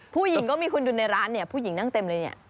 ผู้หญิงก็มีคนอยู่ในร้านเนี่ยผู้หญิงนั่งเต็มเลยเนี่ย